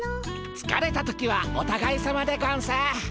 つかれた時はおたがいさまでゴンス。